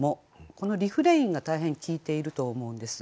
このリフレインが大変効いていると思うんです。